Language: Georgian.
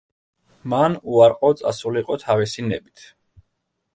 მან უარყო წასულიყო თავისი ნებით.